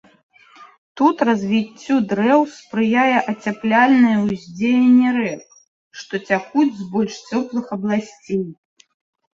Тут развіццю дрэў спрыяе ацяпляльнае ўздзеянне рэк, што цякуць з больш цёплых абласцей.